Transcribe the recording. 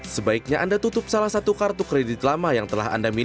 sebaiknya anda tutup salah satu kartu kredit lama